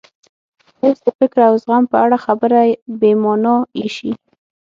اوس د فکر او زغم په اړه خبره بې مانا ایسي.